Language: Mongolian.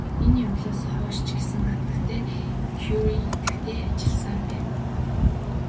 Энэ явдлаас хойш ч гэсэн хатагтай Кюре идэвхтэй ажилласаар л байв.